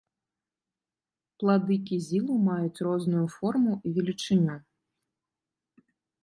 Плады кізілу маюць розную форму і велічыню.